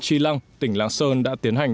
chi lăng tỉnh lạng sơn đã tiến hành